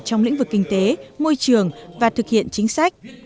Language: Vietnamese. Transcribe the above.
trong lĩnh vực kinh tế môi trường và thực hiện chính sách